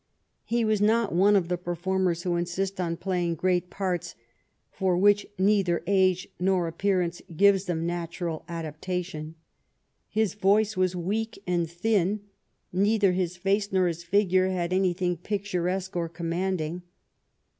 He was not one of the per formers who insist on playing great parts for which neither age nor appearance gives them natural adapta tion. His voice was weak and thin, neither his face nor his figure had anything picturesque or command ing.